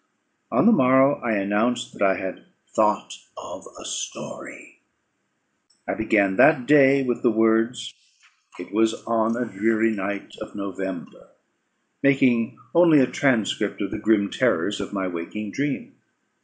On the morrow I announced that I had thought of a story. I began that day with the words, It was on a dreary night of November, making only a transcript of the grim terrors of my waking dream.